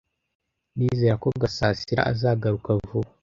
Ndizera ko Gasasira azagaruka vuba.